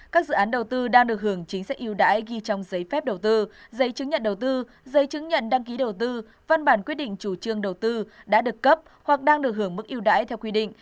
các dự án đầu tư đang được hưởng chính sách yêu đãi ghi trong giấy phép đầu tư giấy chứng nhận đầu tư giấy chứng nhận đăng ký đầu tư văn bản quyết định chủ trương đầu tư đã được cấp hoặc đang được hưởng mức yêu đãi theo quy định